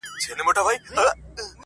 په دريو مياشتو كي به لاس درنه اره كړي.!